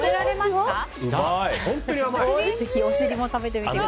ぜひお尻も食べてみてください。